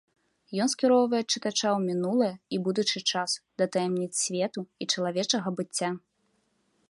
Ён скіроўвае чытача ў мінулае і будучы час, да таямніц свету і чалавечага быцця.